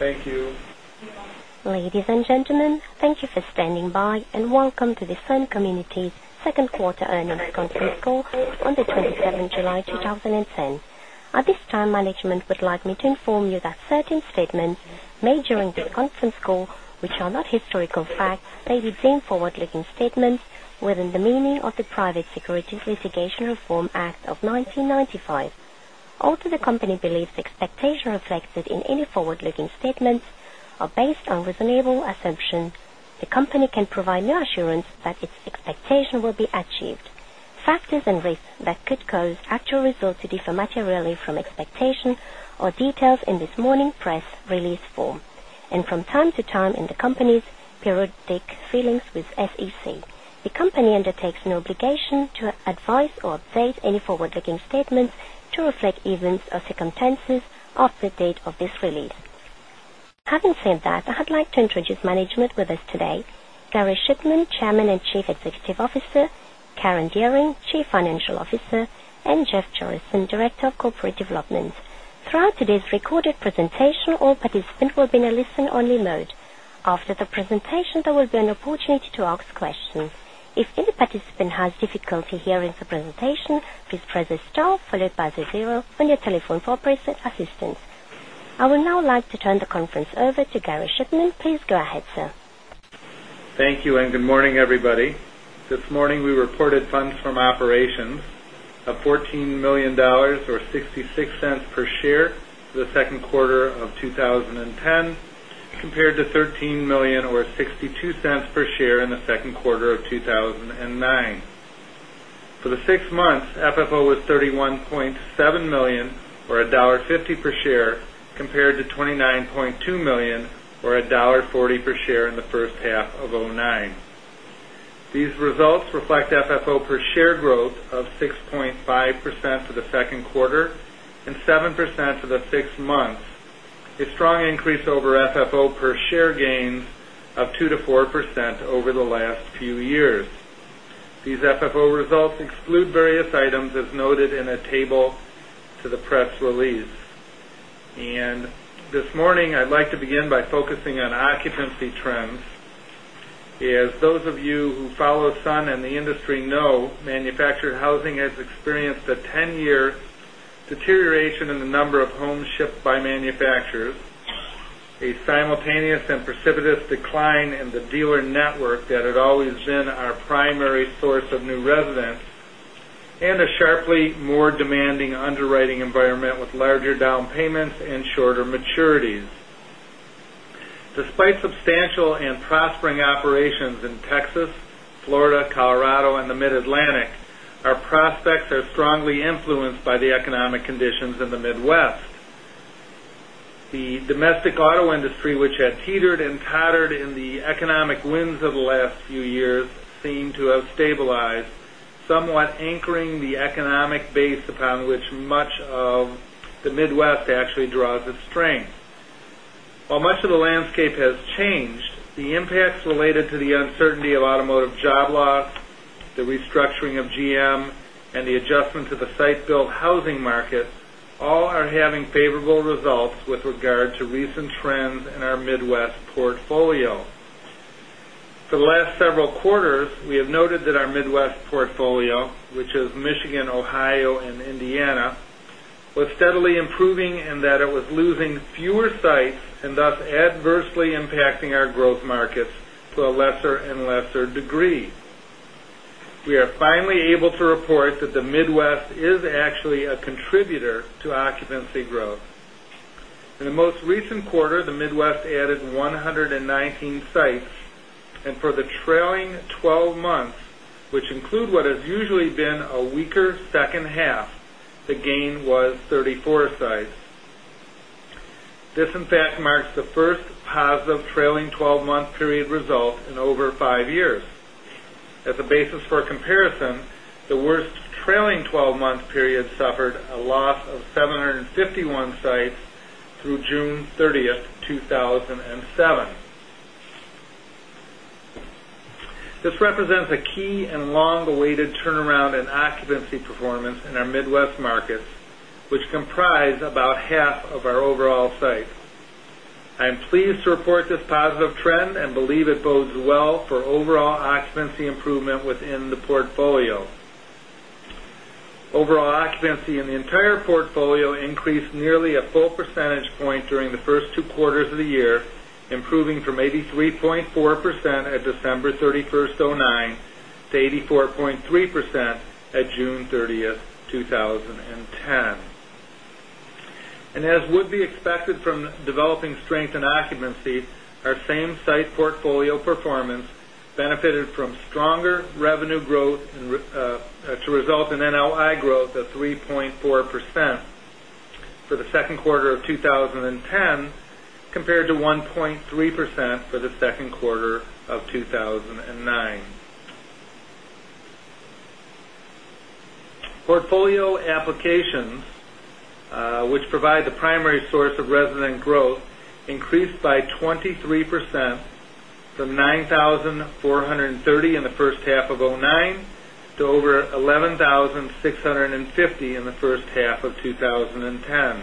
Thank you. Ladies and gentlemen, thank you for standing by, and welcome to the Sun Communities Second Quarter Earnings Conference Call on July 27, 2010. At this time, management would like me to inform you that certain statements made during this conference call, which are not historical facts, may be deemed forward-looking statements within the meaning of the Private Securities Litigation Reform Act of 1995. Although the company believes the expectation reflected in any forward-looking statements are based on reasonable assumption, the company can provide no assurance that its expectation will be achieved. Factors and risks that could cause actual results to differ materially from expectation are detailed in this morning press release form, and from time to time in the company's periodic filings with SEC. The company undertakes no obligation to advise or update any forward-looking statements to reflect events or circumstances after the date of this release. Having said that, I'd like to introduce management with us today, Gary Shiffman, Chairman and Chief Executive Officer, Karen Dearing, Chief Financial Officer, and Jeff Jorissen, Director of Corporate Development. Throughout today's recorded presentation, all participants will be in a listen-only mode. After the presentation, there will be an opportunity to ask questions. If any participant has difficulty hearing the presentation, please press star followed by the zero on your telephone for press assistance. I would now like to turn the conference over to Gary Shiffman. Please go ahead, sir. Thank you, and good morning, everybody. This morning, we reported funds from operations of $14 million or $0.66 per share for the second quarter of 2010, compared to $13 million or $0.62 per share in the second quarter of 2009. For the six months, FFO was $31.7 million or $1.50 per share, compared to $29.2 million or $1.40 per share in the first half of 2009. These results reflect FFO per share growth of 6.5% for the second quarter and 7% for the six months, a strong increase over FFO per share gains of 2%-4% over the last few years. These FFO results exclude various items, as noted in a table to the press release. This morning, I'd like to begin by focusing on occupancy trends. As those of you who follow Sun and the industry know, manufactured housing has experienced a 10-year deterioration in the number of homes shipped by manufacturers, a simultaneous and precipitous decline in the dealer network that had always been our primary source of new residents, and a sharply more demanding underwriting environment with larger down payments and shorter maturities. Despite substantial and prospering operations in Texas, Florida, Colorado, and the Mid-Atlantic, our prospects are strongly influenced by the economic conditions in the Midwest. The domestic auto industry, which had teetered and tottered in the economic winds of the last few years, seem to have stabilized, somewhat anchoring the economic base upon which much of the Midwest actually draws its strength. While much of the landscape has changed, the impacts related to the uncertainty of automotive job loss, the restructuring of GM, and the adjustment to the site-built housing market, all are having favorable results with regard to recent trends in our Midwest portfolio. For the last several quarters, we have noted that our Midwest portfolio, which is Michigan, Ohio, and Indiana, was steadily improving and that it was losing fewer sites and thus adversely impacting our growth markets to a lesser and lesser degree. We are finally able to report that the Midwest is actually a contributor to occupancy growth. In the most recent quarter, the Midwest added 119 sites, and for the trailing twelve months, which include what has usually been a weaker second half, the gain was 34 sites. This, in fact, marks the first positive trailing twelve-month period result in over five years. As a basis for comparison, the worst trailing twelve-month period suffered a loss of 751 sites through June 30, 2007. This represents a key and long-awaited turnaround in occupancy performance in our Midwest markets, which comprise about half of our overall sites. I am pleased to report this positive trend and believe it bodes well for overall occupancy improvement within the portfolio. Overall occupancy in the entire portfolio increased nearly a full percentage point during the first two quarters of the year, improving from 83.4% at December 31, 2009 to 84.3% at June 30, 2010. As would be expected from developing strength and occupancy, our same-site portfolio performance benefited from stronger revenue growth to result in NOI growth of 3.4% for the second quarter of 2010, compared to 1.3% for the second quarter of 2009. Portfolio applications, which provide the primary source of resident growth, increased by 23% from 9,430 in the first half of 2009 to over 11,650 in the first half of 2010.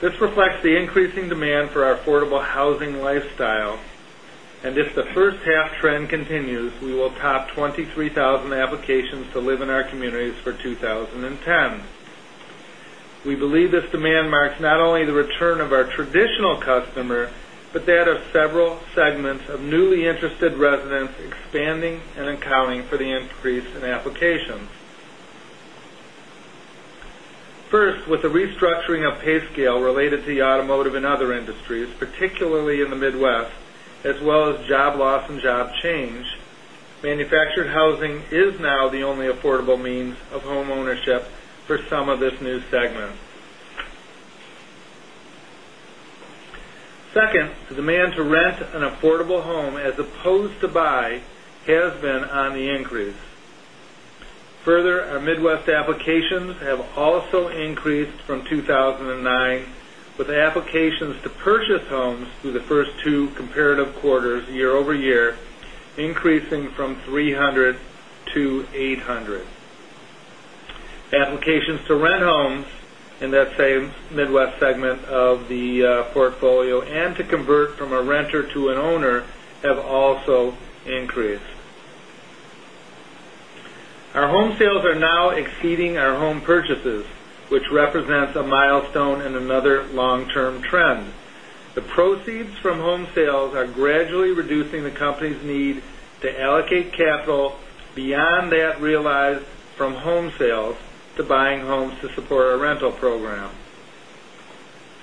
This reflects the increasing demand for our affordable housing lifestyle, and if the first half trend continues, we will top 23,000 applications to live in our communities for 2010. We believe this demand marks not only the return of our traditional customer, but that of several segments of newly interested residents expanding and accounting for the increase in applications. First, with the restructuring of pay scale related to the automotive and other industries, particularly in the Midwest, as well as job loss and job change, manufactured housing is now the only affordable means of home ownership for some of this new segment. Second, the demand to rent an affordable home as opposed to buy, has been on the increase. Further, our Midwest applications have also increased from 2009, with applications to purchase homes through the first two comparative quarters year-over-year, increasing from 300 to 800. Applications to rent homes in that same Midwest segment of the portfolio and to convert from a renter to an owner have also increased. Our home sales are now exceeding our home purchases, which represents a milestone and another long-term trend. The proceeds from home sales are gradually reducing the company's need to allocate capital beyond that realized from home sales to buying homes to support our rental program.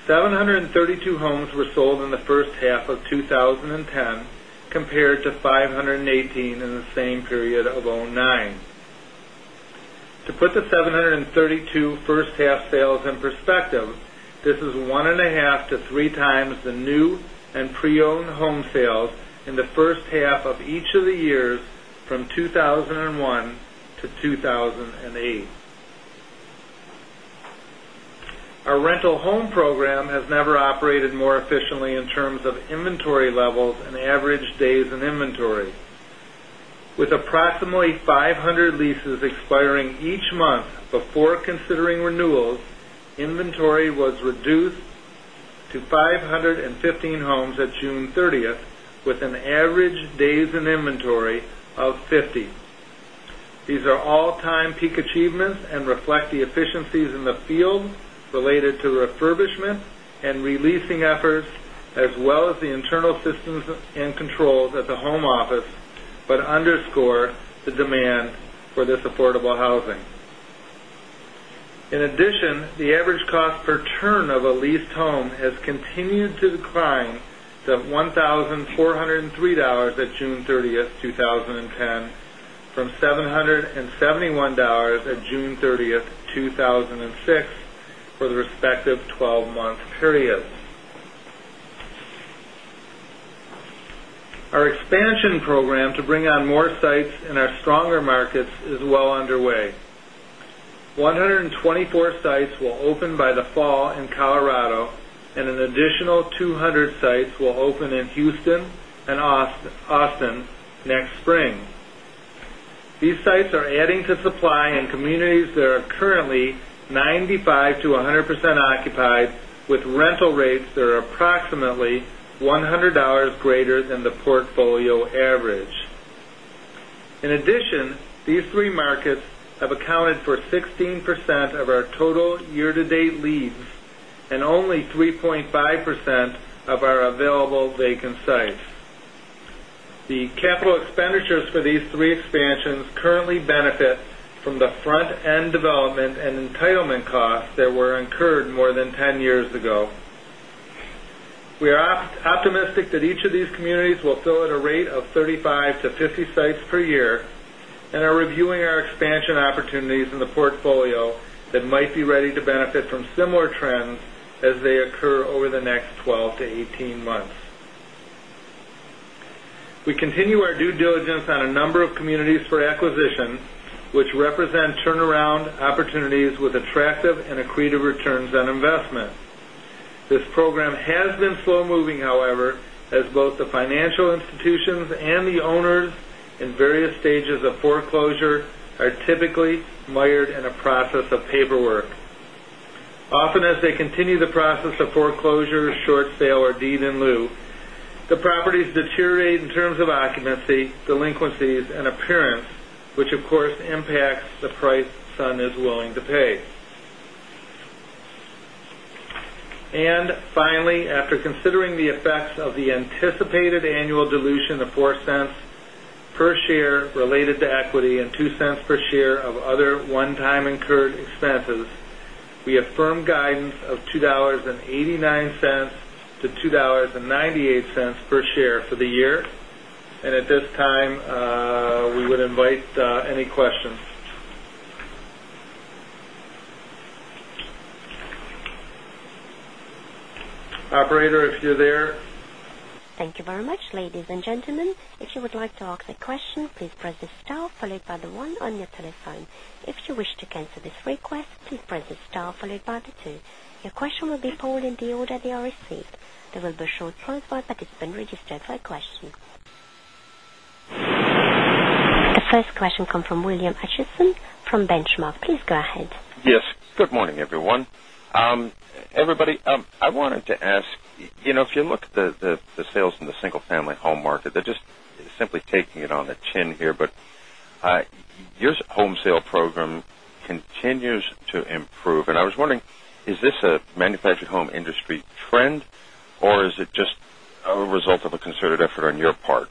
732 homes were sold in the first half of 2010, compared to 518 in the same period of 2009. To put the 732 first half sales in perspective, this is 1.5x-3x the new and pre-owned home sales in the first half of each of the years from 2001 to 2008. Our rental home program has never operated more efficiently in terms of inventory levels and average days in inventory. With approximately 500 leases expiring each month before considering renewals, inventory was reduced to 515 homes at June 30, with an average days in inventory of 50. These are all-time peak achievements and reflect the efficiencies in the field related to refurbishment and re-leasing efforts, as well as the internal systems and controls at the home office, but underscore the demand for this affordable housing. In addition, the average cost per turn of a leased home has continued to decline to $1,403 at June 30, 2010, from $771 at June 30, 2006, for the respective twelve-month periods. Our expansion program to bring on more sites in our stronger markets is well underway. 124 sites will open by the fall in Colorado, and an additional 200 sites will open in Houston and Austin next spring. These sites are adding to supply in communities that are currently 95%-100% occupied, with rental rates that are approximately $100 greater than the portfolio average. In addition, these three markets have accounted for 16% of our total year-to-date leads and only 3.5% of our available vacant sites. The capital expenditures for these three expansions currently benefit from the front-end development and entitlement costs that were incurred more than 10 years ago. We are optimistic that each of these communities will fill at a rate of 35-50 sites per year and are reviewing our expansion opportunities in the portfolio that might be ready to benefit from similar trends as they occur over the next 12-18 months. We continue our due diligence on a number of communities for acquisition, which represent turnaround opportunities with attractive and accretive returns on investment. This program has been slow moving, however, as both the financial institutions and the owners in various stages of foreclosure are typically mired in a process of paperwork. Often, as they continue the process of foreclosure, short sale, or deed in lieu, the properties deteriorate in terms of occupancy, delinquencies, and appearance, which, of course, impacts the price Sun is willing to pay. Finally, after considering the effects of the anticipated annual dilution of $0.04 per share related to equity and $0.02 per share of other one-time incurred expenses, we affirm guidance of $2.89-$2.98 per share for the year. At this time, we would invite any questions. Operator, if you're there? Thank you very much, ladies and gentlemen. If you would like to ask a question, please press the star followed by the one on your telephone. If you wish to cancel this request, please press the star followed by the two. Your question will be pulled in the order they are received. There will be short pause while participant registered for a question. ...The first question comes from William Acheson from Benchmark. Please go ahead. Yes, good morning, everyone. Everybody, I wanted to ask, you know, if you look at the sales in the single-family home market, they're just simply taking it on the chin here. But, your home sale program continues to improve, and I was wondering, is this a manufactured home industry trend, or is it just a result of a concerted effort on your part?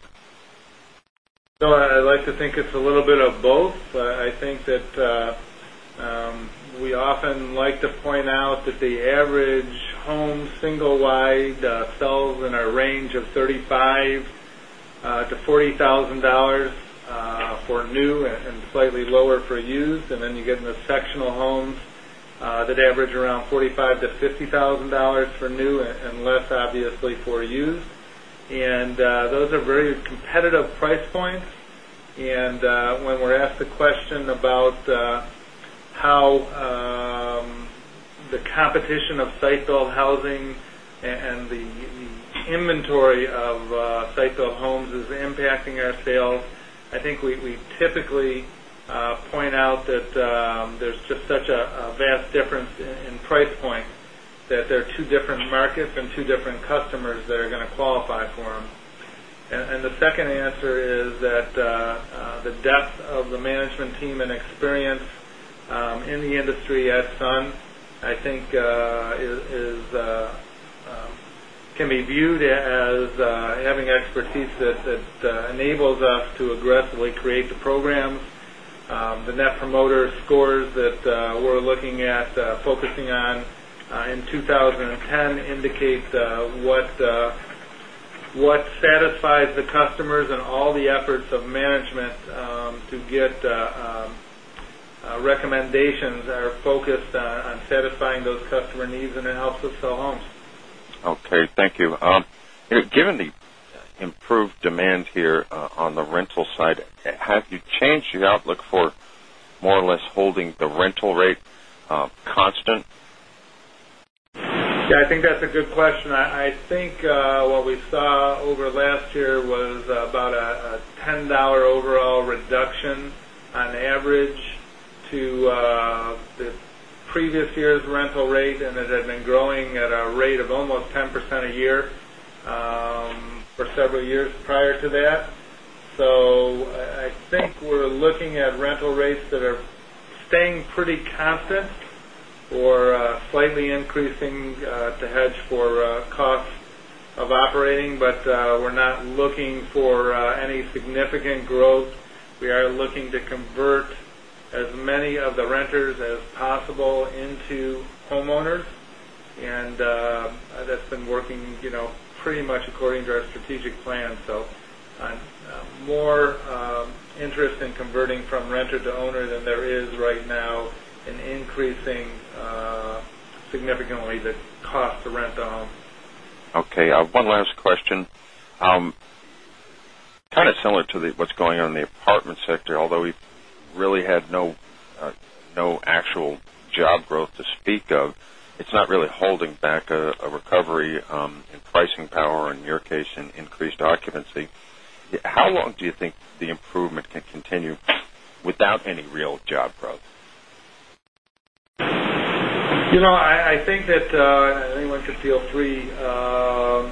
So I like to think it's a little bit of both. I think that we often like to point out that the average home, single wide, sells in a range of $35,000-$40,000 for new and slightly lower for used. And then you get into sectional homes that average around $45,000-$50,000 for new and less, obviously, for used. And those are very competitive price points. And when we're asked the question about how the competition of site-built housing and the inventory of site-built homes is impacting our sales, I think we typically point out that there's just such a vast difference in price point that they're two different markets and two different customers that are going to qualify for them. The second answer is that the depth of the management team and experience in the industry at Sun, I think, is, is, can be viewed as having expertise that enables us to aggressively create the programs. The Net Promoter Scores that we're looking at, focusing on in 2010, indicate what satisfies the customers and all the efforts of management to get recommendations that are focused on satisfying those customer needs, and it helps us sell homes. Okay, thank you. Given the improved demand here, on the rental side, have you changed your outlook for more or less holding the rental rate, constant? Yeah, I think that's a good question. I think what we saw over last year was about a $10 overall reduction on average to the previous year's rental rate, and it had been growing at a rate of almost 10% a year for several years prior to that. So I think we're looking at rental rates that are staying pretty constant or slightly increasing to hedge for costs of operating. But we're not looking for any significant growth. We are looking to convert as many of the renters as possible into homeowners, and that's been working, you know, pretty much according to our strategic plan. So I'm more interested in converting from renter to owner than there is right now in increasing significantly the cost to rent a home. Okay, one last question. Kind of similar to what's going on in the apartment sector, although we've really had no actual job growth to speak of, it's not really holding back a recovery in pricing power, in your case, in increased occupancy. How long do you think the improvement can continue without any real job growth? You know, I think that anyone should feel free to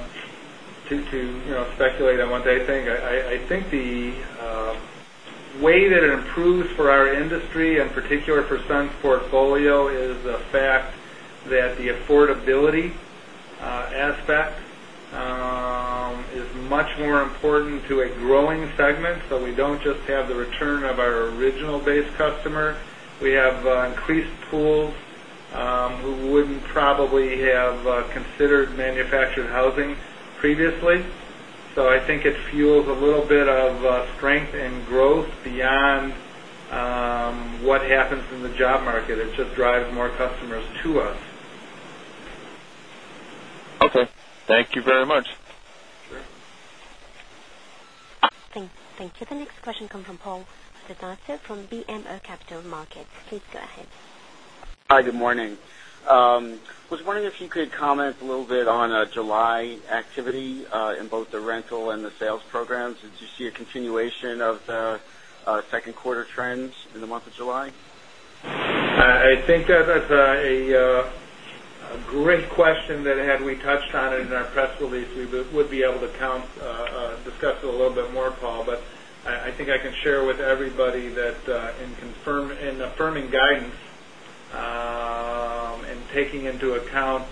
you know, speculate on what they think. I think the way that it improves for our industry, and particularly for Sun's portfolio, is the fact that the affordability aspect is much more important to a growing segment. So we don't just have the return of our original base customer. We have increased pools who wouldn't probably have considered manufactured housing previously. So I think it fuels a little bit of strength and growth beyond what happens in the job market. It just drives more customers to us. Okay, thank you very much. Sure. Thank you. The next question come from Paul Adornato from BMO Capital Markets. Please go ahead. Hi, good morning. Was wondering if you could comment a little bit on July activity in both the rental and the sales programs. Did you see a continuation of the second quarter trends in the month of July? I think that's a great question that had we touched on it in our press release, we would be able to discuss it a little bit more, Paul, but I think I can share with everybody that in affirming guidance and taking into account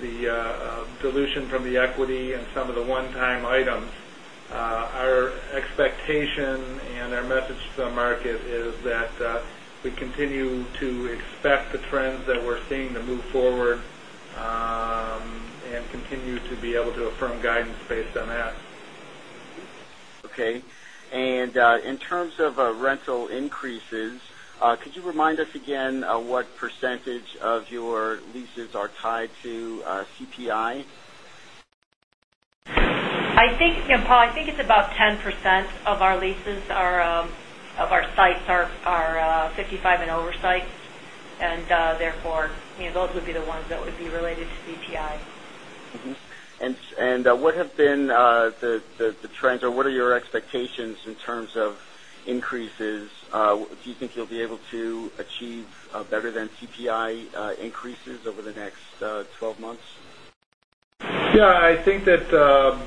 the dilution from the equity and some of the one-time items, our expectation and our message to the market is that we continue to expect the trends that we're seeing to move forward and continue to be able to affirm guidance based on that. Okay. In terms of rental increases, could you remind us again what percentage of your leases are tied to CPI? I think, and Paul, I think it's about 10% of our leases are 55 and over sites, and, therefore, you know, those would be the ones that would be related to CPI. Mm-hmm. And what have been the trends or what are your expectations in terms of increases? Do you think you'll be able to achieve better than CPI increases over the next 12 months? Yeah, I think that,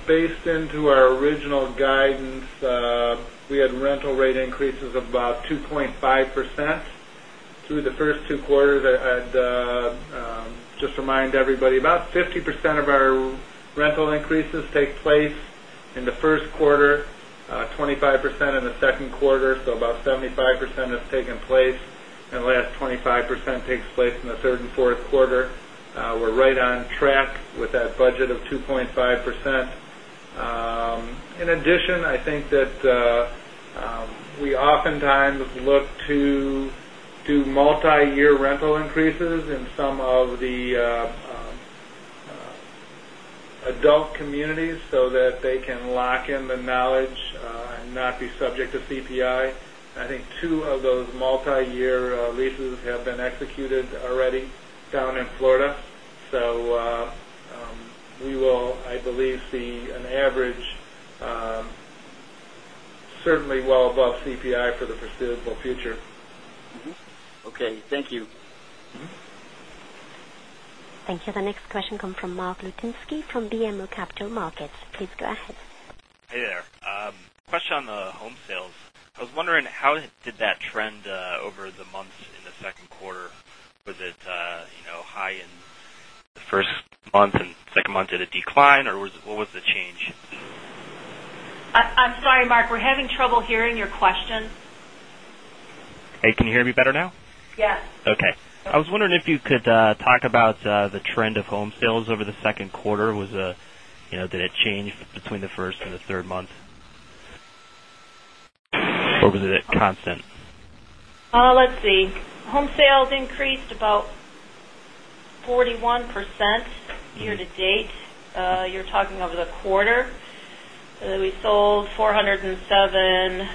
based into our original guidance, we had rental rate increases of about 2.5% through the first two quarters. I'd just remind everybody, about 50% of our rental increases take place in the first quarter, 25% in the second quarter, so about 75% has taken place, and the last 25% takes place in the third and fourth quarter. We're right on track with that budget of 2.5%. In addition, I think that, we oftentimes look to do multiyear rental increases in some of the adult communities so that they can lock in the knowledge, and not be subject to CPI. I think 2 of those multiyear leases have been executed already down in Florida. We will, I believe, see an average, certainly well above CPI for the foreseeable future. Mm-hmm. Okay, thank you. Mm-hmm. Thank you. The next question come from Mark Lutinsky from BMO Capital Markets. Please go ahead. Hey there. Question on the home sales. I was wondering, how did that trend over the months in the second quarter? Was it, you know, high in the first month and second month, did it decline, or was what was the change? I'm sorry, Mark, we're having trouble hearing your question. Hey, can you hear me better now? Yes. Okay. I was wondering if you could talk about the trend of home sales over the second quarter. Was, you know, did it change between the first and the third month? Or was it constant? Let's see. Home sales increased about 41% year-to-date. You're talking over the quarter? We sold 407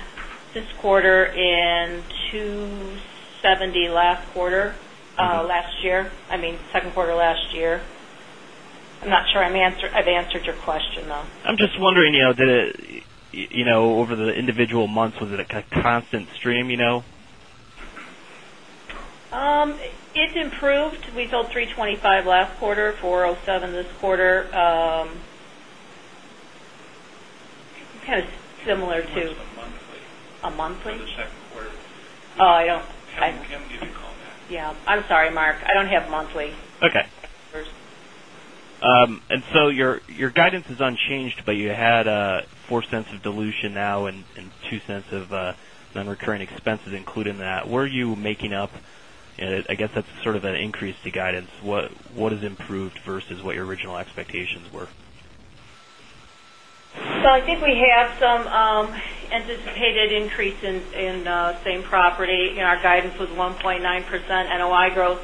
this quarter and 270 last quarter, last year, I mean, second quarter last year. I'm not sure I've answered your question, though. I'm just wondering, you know, did it, you know, over the individual months, was it a constant stream, you know? It improved. We sold 325 last quarter, 407 this quarter. Kind of similar to- What's the monthly? A monthly? For the second quarter. Oh, I don't- Kim, can you call that? Yeah. I'm sorry, Mark, I don't have monthly. Okay. And so your, your guidance is unchanged, but you had $0.04 of dilution now and, and $0.02 of non-recurring expenses included in that. Where are you making up? I guess that's sort of an increase to guidance. What, what has improved versus what your original expectations were? So I think we have some anticipated increase in same property. You know, our guidance was 1.9% NOI growth,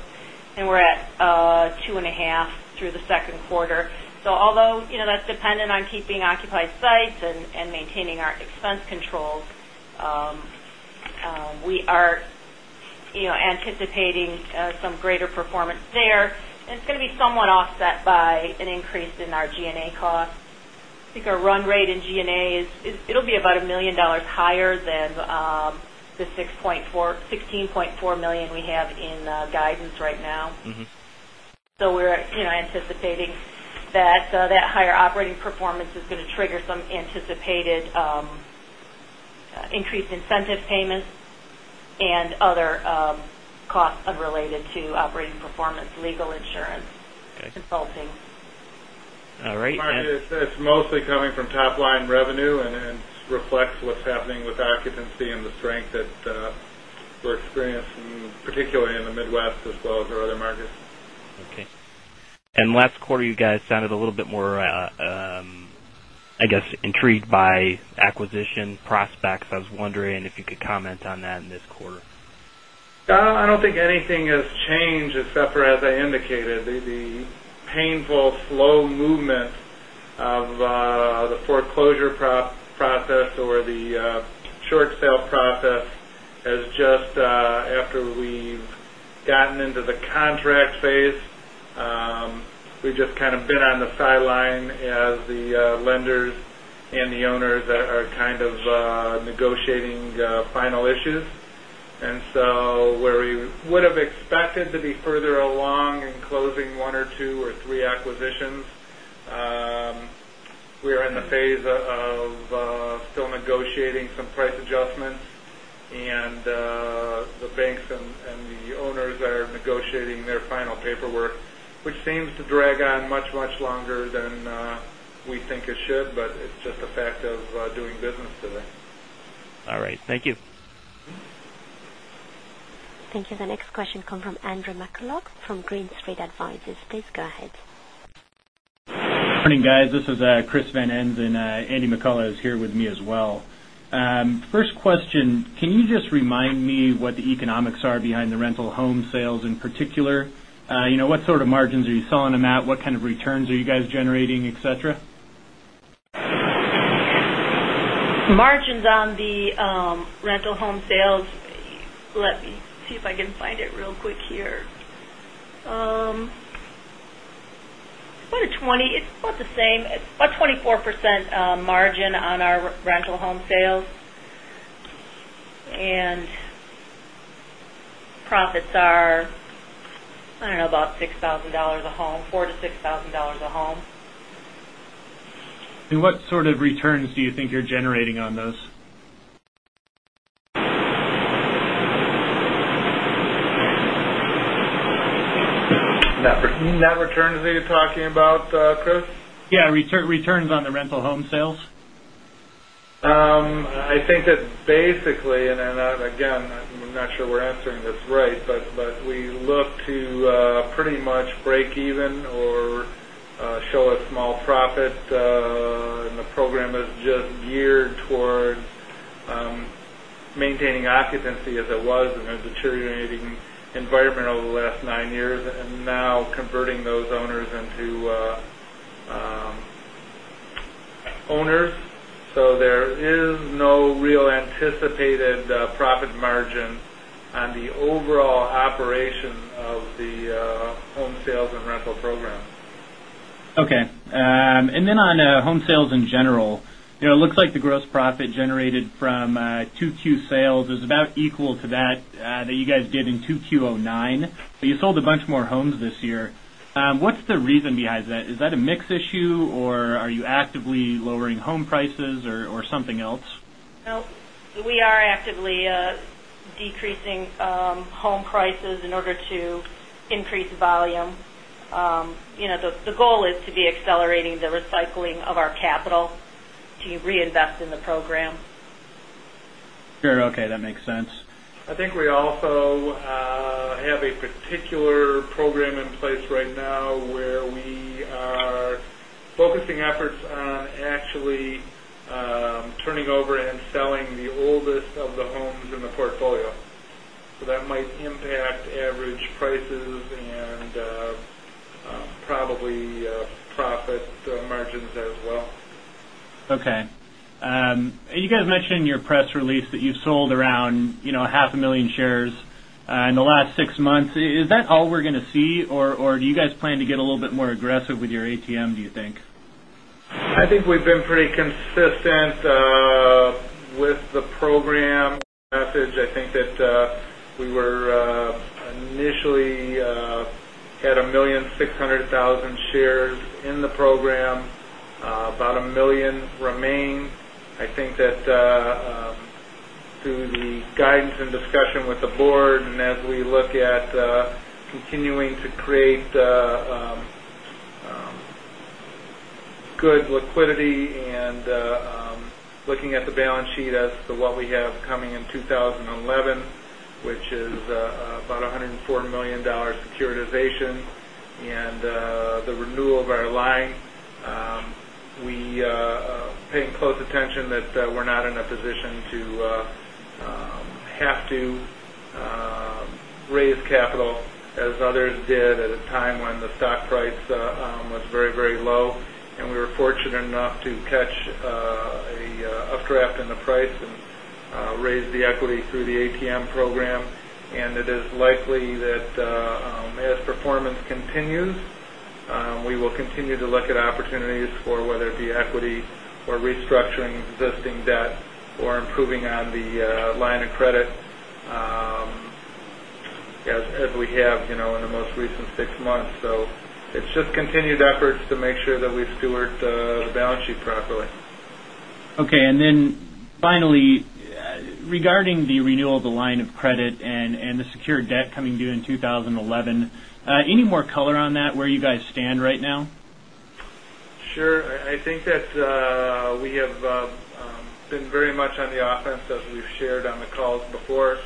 and we're at 2.5 through the second quarter. So although, you know, that's dependent on keeping occupied sites and maintaining our expense controls, we are, you know, anticipating some greater performance there, and it's going to be somewhat offset by an increase in our G&A costs. I think our run rate in G&A is, it'll be about $1 million higher than the $6.4 million, $16.4 million we have in guidance right now. Mm-hmm. So we're, you know, anticipating that that higher operating performance is going to trigger some anticipated increased incentive payments and other costs unrelated to operating performance, legal insurance- Okay. -consulting. All right. It's mostly coming from top-line revenue and reflects what's happening with occupancy and the strength that we're experiencing, particularly in the Midwest as well as our other markets. Okay. And last quarter, you guys sounded a little bit more, I guess, intrigued by acquisition prospects. I was wondering if you could comment on that in this quarter. I don't think anything has changed except for, as I indicated, the painful, slow movement of the foreclosure process or the short sale process has just, after we've gotten into the contract phase, we've just kind of been on the sideline as the lenders and the owners are kind of negotiating final issues. And so where we would have expected to be further along in closing one or two or three acquisitions, we are in the phase of still negotiating some price adjustments, and the banks and the owners are negotiating their final paperwork, which seems to drag on much, much longer than we think it should, but it's just a fact of doing business today. All right. Thank you. Thank you. The next question comes from Andrew McCulloch from Green Street Advisors. Please go ahead. Morning, guys. This is Chris Van Ens, and Andy McCullough is here with me as well. First question, can you just remind me what the economics are behind the rental home sales in particular? You know, what sort of margins are you selling them at? What kind of returns are you guys generating, et cetera? ...Margins on the, rental home sales, let me see if I can find it real quick here. About a twenty, it's about the same, about 24%, margin on our re-rental home sales. And profits are, I don't know, about $6,000 a home, $4,000-$6,000 a home. What sort of returns do you think you're generating on those? Net, net returns are you talking about, Chris? Yeah, return, returns on the rental home sales. I think that basically, and then, again, I'm not sure we're answering this right, but we look to pretty much break even or show a small profit. And the program is just geared towards maintaining occupancy as it was in a deteriorating environment over the last nine years, and now converting those owners into owners. So there is no real anticipated profit margin on the overall operation of the home sales and rental program. Okay. And then on home sales in general, you know, it looks like the gross profit generated from 2Q sales is about equal to that that you guys did in 2Q09, but you sold a bunch more homes this year. What's the reason behind that? Is that a mix issue, or are you actively lowering home prices or something else? No, we are actively decreasing home prices in order to increase volume. You know, the goal is to be accelerating the recycling of our capital to reinvest in the program. Sure. Okay, that makes sense. I think we also have a particular program in place right now where we are focusing efforts on actually turning over and selling the oldest of the homes in the portfolio. So that might impact average prices and probably profit margins as well. Okay. And you guys mentioned in your press release that you sold around, you know, 500,000 shares in the last six months. Is that all we're going to see, or do you guys plan to get a little bit more aggressive with your ATM, do you think? I think we've been pretty consistent with the program message. I think that we were initially had 1.6 million shares in the program. About 1 million remain. I think that through the guidance and discussion with the board, and as we look at continuing to create good liquidity and looking at the balance sheet as to what we have coming in 2011, which is about $104 million securitization and the renewal of our line. We're paying close attention that we're not in a position to have to raise capital as others did at a time when the stock price was very, very low, and we were fortunate enough to catch a updraft in the price and raise the equity through the ATM program. It is likely that as performance continues we will continue to look at opportunities for whether it be equity or restructuring existing debt or improving on the line of credit as we have, you know, in the most recent six months. It's just continued efforts to make sure that we've stewarded the balance sheet properly. Okay, and then finally, regarding the renewal of the line of credit and the secured debt coming due in 2011, any more color on that, where you guys stand right now? Sure. I think that we have been very much on the offense, as we've shared on the calls before.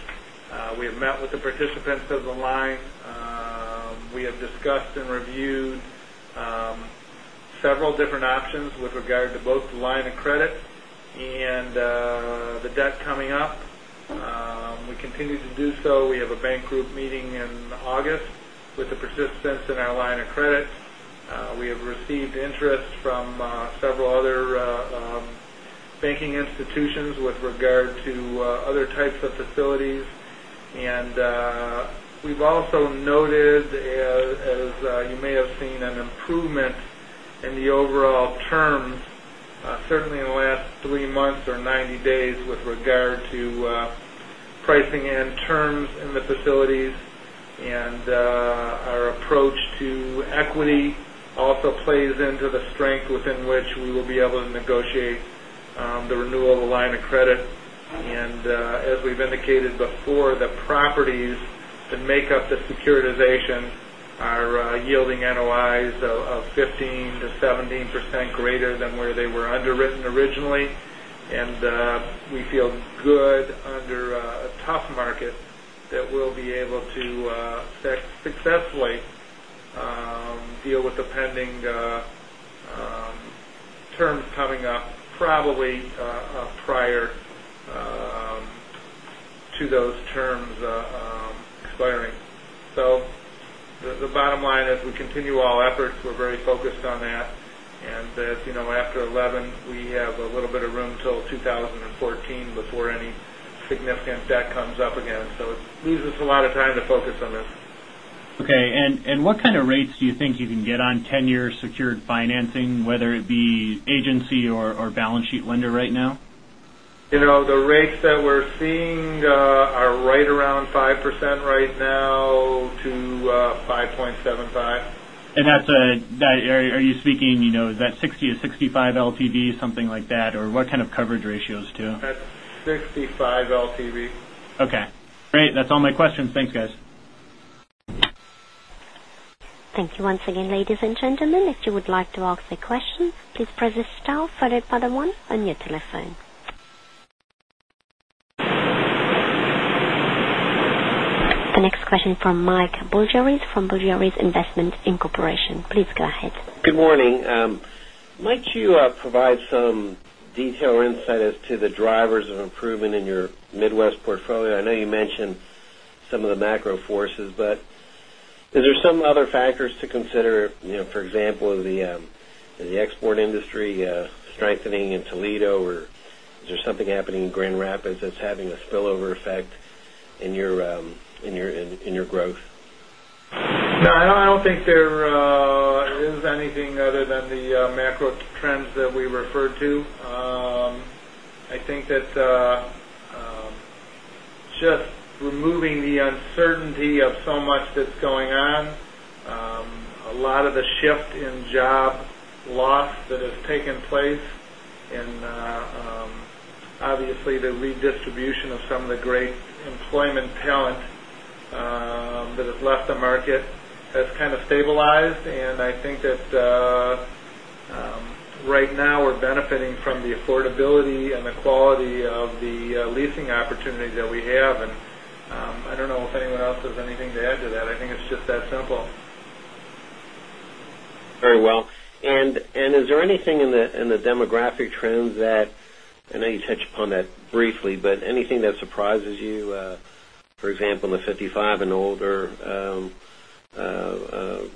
We have met with the participants on the line. We have discussed and reviewed several different options with regard to both the line of credit and the debt coming up. We continue to do so. We have a bank group meeting in August with the participants in our line of credit. We have received interest from several other banking institutions with regard to other types of facilities. And we've also noted, as you may have seen, an improvement in the overall terms, certainly in the last 3 months or 90 days, with regard to pricing and terms in the facilities. Our approach to equity also plays into the strength within which we will be able to negotiate the renewal of the line of credit. As we've indicated before, the properties that make up the securitization are yielding NOIs of 15%-17% greater than where they were underwritten originally. We feel good under a tough market that we'll be able to successfully deal with the pending terms coming up probably prior to those terms expiring. So the bottom line is we continue all efforts. We're very focused on that. As you know, after 2011, we have a little bit of room till 2014 before any significant debt comes up again. So it leaves us a lot of time to focus on this. Okay, and, and what kind of rates do you think you can get on 10-year secured financing, whether it be agency or, or balance sheet lender right now? You know, the rates that we're seeing are right around 5% right now to 5.75%. Are you speaking, you know, is that 60-65 LTV, something like that, or what kind of coverage ratios, too? That's 65 LTV. Okay, great. That's all my questions. Thanks, guys. Thank you once again, ladies and gentlemen. If you would like to ask a question, please press star followed by the one on your telephone. The next question from Michael Bilerman from Citigroup. Please go ahead. Good morning. Might you provide some detail or insight as to the drivers of improvement in your Midwest portfolio? I know you mentioned some of the macro forces, but is there some other factors to consider, you know, for example, the export industry strengthening in Toledo, or is there something happening in Grand Rapids that's having a spillover effect in your growth? No, I don't think there is anything other than the macro trends that we referred to. I think that just removing the uncertainty of so much that's going on, a lot of the shift in job loss that has taken place and obviously the redistribution of some of the great employment talent that has left the market, that's kind of stabilized. And I think that right now we're benefiting from the affordability and the quality of the leasing opportunities that we have. And I don't know if anyone else has anything to add to that. I think it's just that simple. Very well. And is there anything in the demographic trends that, I know you touched upon that briefly, but anything that surprises you, for example, the 55 and older group? No,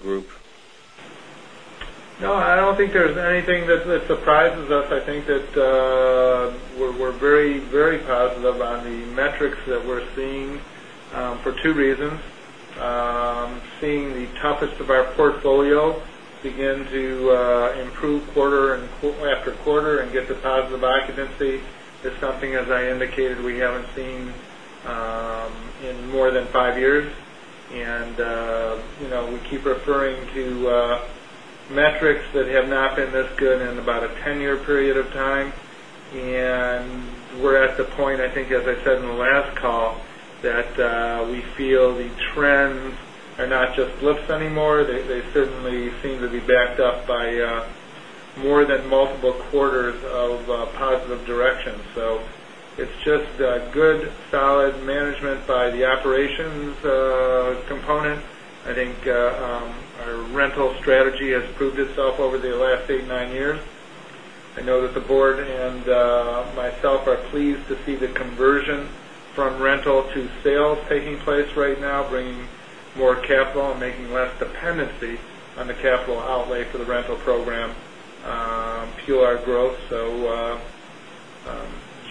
I don't think there's anything that, that surprises us. I think that, we're very, very positive on the metrics that we're seeing, for two reasons. Seeing the toughest of our portfolio begin to improve quarter after quarter and get to positive occupancy is something, as I indicated, we haven't seen, in more than five years. And, you know, we keep referring to metrics that have not been this good in about a 10-year period of time. And we're at the point, I think, as I said in the last call, that, we feel the trends are not just blips anymore. They, they certainly seem to be backed up by more than multiple quarters of positive direction. So it's just good, solid management by the operations component. I think, our rental strategy has proved itself over the last eight, nine years. I know that the board and myself are pleased to see the conversion from rental to sales taking place right now, bringing more capital and making less dependency on the capital outlay for the rental program, fuel our growth. So,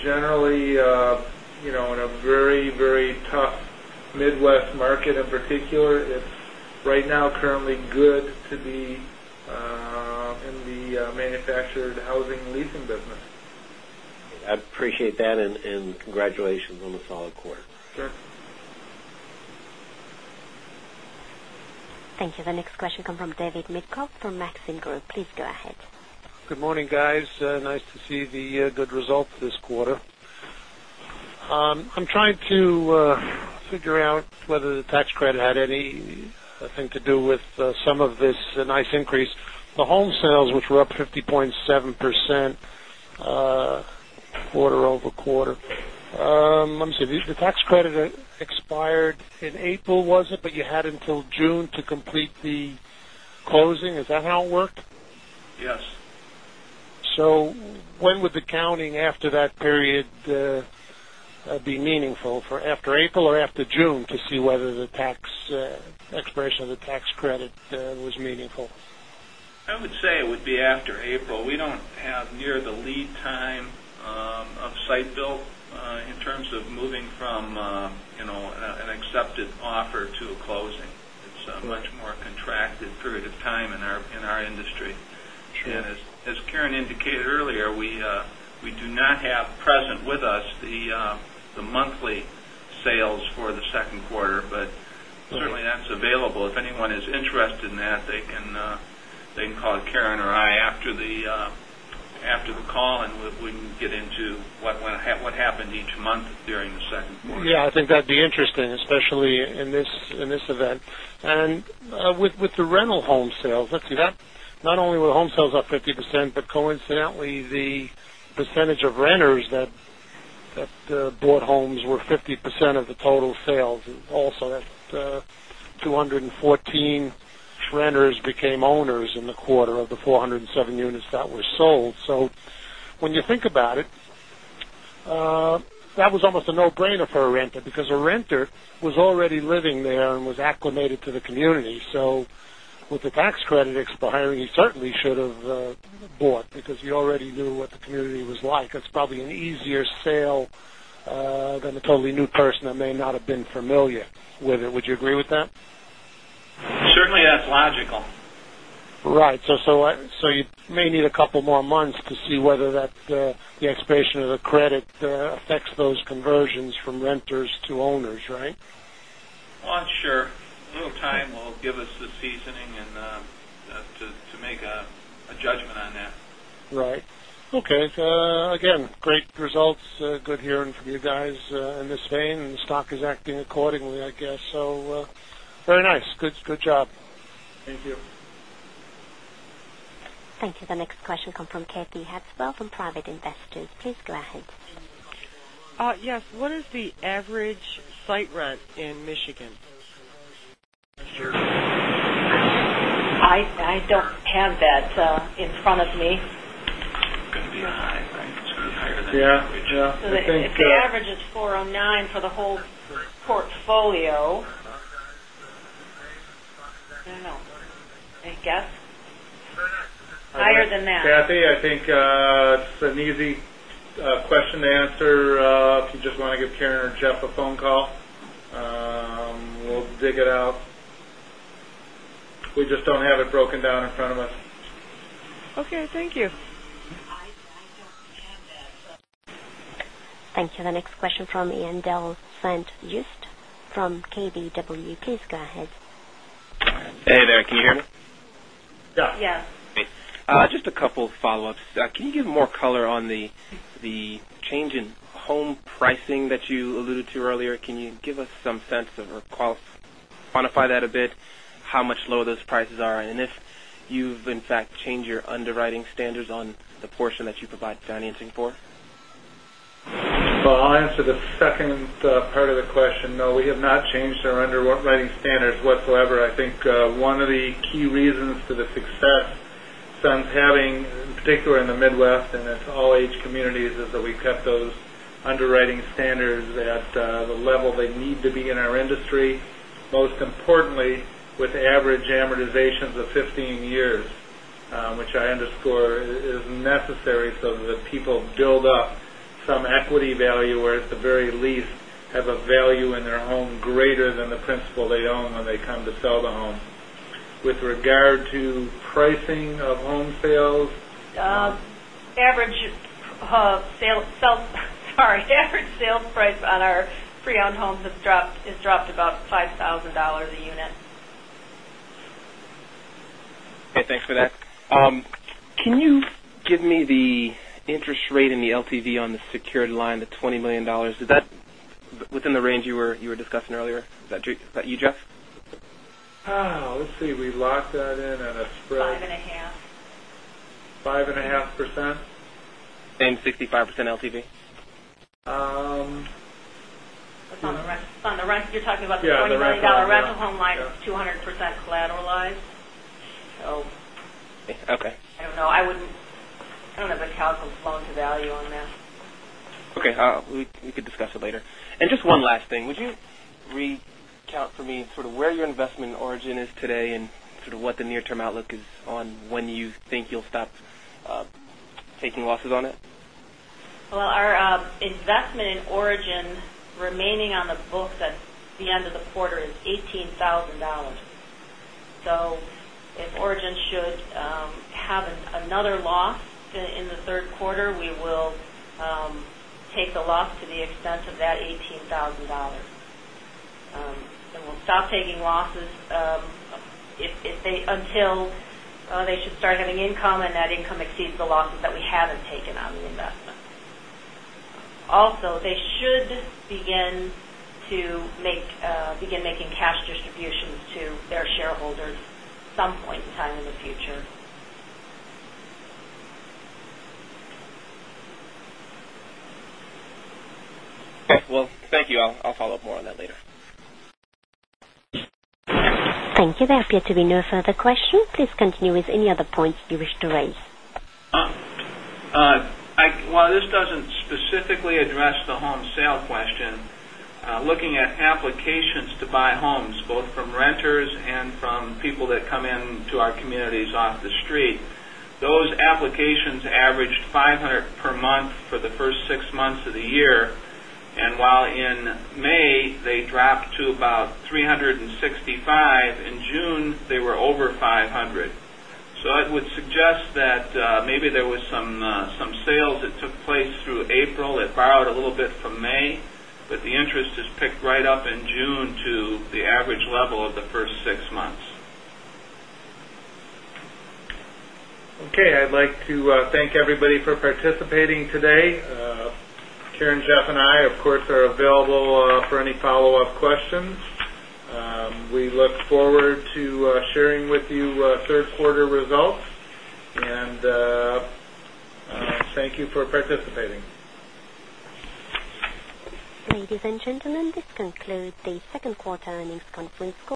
generally, you know, in a very, very tough Midwest market in particular, it's right now currently good to be in the manufactured housing leasing business. I appreciate that, and congratulations on the solid quarter. Sure. Thank you. The next question come from David Minkoff from Maxim Group. Please go ahead. Good morning, guys. Nice to see the good results this quarter. I'm trying to figure out whether the tax credit had anything to do with some of this nice increase. The home sales, which were up 50.7%, quarter-over-quarter. Let me see. The tax credit expired in April, was it? But you had until June to complete the closing. Is that how it worked? Yes. So when would the counting after that period be meaningful? For after April or after June to see whether the tax expiration of the tax credit was meaningful? I would say it would be after April. We don't have near the lead time, of site-built, in terms of moving from, you know, an accepted offer to a closing. Right. It's a much more contracted period of time in our industry. Sure. As Karen indicated earlier, we do not have present with us the monthly sales for the second quarter, but- Right. Certainly that's available. If anyone is interested in that, they can call Karen or I after the call, and we can get into what happened each month during the second quarter. Yeah, I think that'd be interesting, especially in this event. With the rental home sales, let's see, that not only were home sales up 50%, but coincidentally, the percentage of renters that bought homes were 50% of the total sales. Also, that's 214 which renters became owners in the quarter of the 407 units that were sold. So when you think about it, that was almost a no-brainer for a renter, because a renter was already living there and was acclimated to the community. So with the tax credit expiring, you certainly should have bought, because you already knew what the community was like. That's probably an easier sale than a totally new person that may not have been familiar with it. Would you agree with that? Certainly, that's logical. Right. So you may need a couple more months to see whether that, the expiration of the credit, affects those conversions from renters to owners, right? Well, I'm sure a little time will give us the seasoning and to make a judgment on that. Right. Okay, again, great results. Good hearing from you guys in this vein, and the stock is acting accordingly, I guess. So, very nice. Good, good job. Thank you. Thank you. The next question comes from Kathy Hepswell from Private Investors. Please go ahead. Yes, what is the average site rent in Michigan? I don't have that in front of me. It's gonna be a high, right? It's gonna be higher than- Yeah, yeah, I think, The average is 409 for the whole portfolio. I don't know. I guess, higher than that. Kathy, I think, it's an easy question to answer. If you just want to give Karen or Jeff a phone call, we'll dig it out. We just don't have it broken down in front of us. Okay, thank you. I don't have that. Thank you. The next question from Ian Delsante from KBW. Please go ahead. Hey there, can you hear me? Yeah. Yes. Just a couple of follow-ups. Can you give more color on the change in home pricing that you alluded to earlier? Can you give us some sense of, or quantify that a bit, how much lower those prices are? And if you've, in fact, changed your underwriting standards on the portion that you provide financing for? Well, I'll answer the second part of the question. No, we have not changed our underwriting standards whatsoever. I think one of the key reasons for the success Sun's having, in particular in the Midwest, and it's all age communities, is that we've kept those underwriting standards at the level they need to be in our industry. Most importantly, with average amortizations of 15 years, which I underscore is necessary so that people build up some equity value, or at the very least, have a value in their home greater than the principal they own when they come to sell the home. With regard to pricing of home sales- Average sales price on our pre-owned homes has dropped, it dropped about $5,000 a unit. Okay, thanks for that. Can you give me the interest rate and the LTV on the secured line, the $20 million? Is that within the range you were, you were discussing earlier? Is that you, Jeff? Let's see, we locked that in at a spread- 5.5. 5.5%. 65% LTV? Um... It's on the rent. On the rent, you're talking about the $20 million rental home line- Yeah, the rental. Is 200% collateralized, so. Okay. I don't know. I wouldn't... I don't know if it counts as loan to value on that. Okay, we could discuss it later. Just one last thing, would you recount for me sort of where your investment in Origen is today, and sort of what the near-term outlook is on when you think you'll stop taking losses on it? Well, our investment in Origen remaining on the books at the end of the quarter is $18,000. So if Origen should have another loss in the third quarter, we will take the loss to the extent of that $18,000. And we'll stop taking losses until they should start having income, and that income exceeds the losses that we haven't taken on the investment. Also, they should begin making cash distributions to their shareholders at some point in time in the future. Well, thank you. I'll, I'll follow up more on that later. Thank you. There appear to be no further questions. Please continue with any other points you wish to raise. While this doesn't specifically address the home sale question, looking at applications to buy homes, both from renters and from people that come into our communities off the street, those applications averaged 500 per month for the first six months of the year. And while in May, they dropped to about 365, in June, they were over 500. So it would suggest that, maybe there was some sales that took place through April. It borrowed a little bit from May, but the interest is picked right up in June to the average level of the first six months. Okay, I'd like to thank everybody for participating today. Karen, Jeff, and I, of course, are available for any follow-up questions. We look forward to sharing with you third quarter results, and thank you for participating. Ladies and gentlemen, this concludes the second quarter earnings conference call.